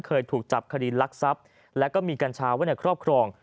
เคยถูกจับคดีรักทรัพย์แล้วก็มีกัญชาไว้ในครอบครอง